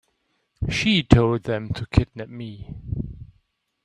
She told them to kidnap me.